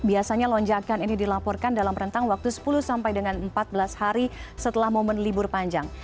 biasanya lonjakan ini dilaporkan dalam rentang waktu sepuluh sampai dengan empat belas hari setelah momen libur panjang